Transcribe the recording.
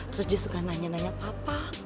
terus dia suka nanya nanya papa